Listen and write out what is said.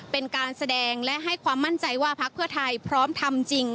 เป็นการแสดงและให้ความมั่นใจว่าพักเพื่อไทยพร้อมทำจริง